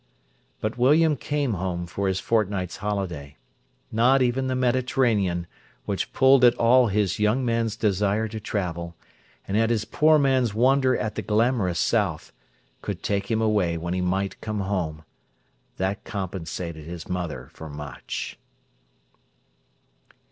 But William came home for his fortnight's holiday. Not even the Mediterranean, which pulled at all his young man's desire to travel, and at his poor man's wonder at the glamorous south, could take him away when he might come home. That compensated his mother for much.